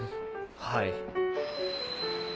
はい。